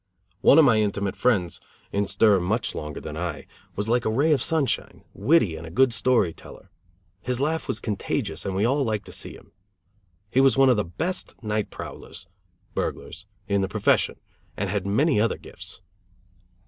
One of my intimate friends, in stir much longer than I, was like a ray of sunshine, witty and a good story teller. His laugh was contagious and we all liked to see him. He was one of the best night prowlers (burglars) in the profession, and had many other gifts.